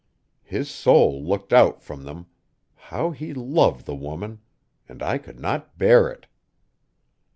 His soul looked out from them how he loved the woman and I could not bear it!